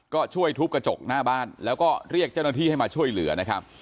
ก็ช่วยทุบกระจกหน้าบ้านแล้วก็เรียกเจ้าหน้าที่ให้มาช่วยเหลือนะครับ